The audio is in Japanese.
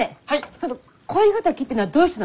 その恋敵ってのはどういう人なの？